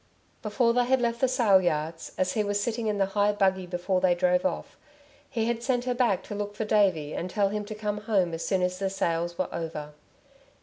Before they had left the sale yards, as he was sitting in the high buggy before they drove off, he had sent her back to look for Davey and tell him to come home as soon as the sales were over.